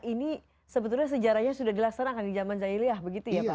ini sebetulnya sejarahnya sudah dilaksanakan di zaman jahiliah begitu ya pak